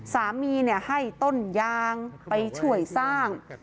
สามีให้ต้นยางไปช่วยสร้าง